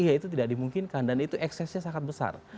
ya itu tidak dimungkinkan dan itu eksesnya sangat besar